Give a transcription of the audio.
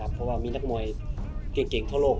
เพราะว่ามีนักมวยเก่งทั่วโลก